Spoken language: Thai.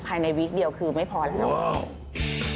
ภายในวิกเดียวคือไม่พอแล้วครับ